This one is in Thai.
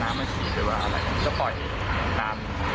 ถ้ามันเป็นฝุ่นธรรมดา